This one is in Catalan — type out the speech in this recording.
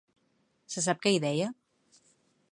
Se sap què hi deia?